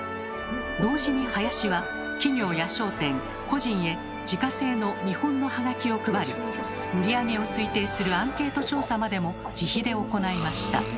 同時に林は企業や商店個人へ自家製の見本のはがきを配り売り上げを推定するアンケート調査までも自費で行いました。